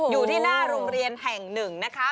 อยู่ที่หน้าโรงเรียนแห่งหนึ่งนะคะ